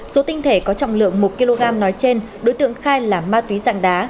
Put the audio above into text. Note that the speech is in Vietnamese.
số tinh thể có trọng lượng một kg nói trên đối tượng khai là ma túy dạng đá